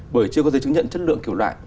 bởi chưa có giấy chứng nhận chất lượng kiểu loại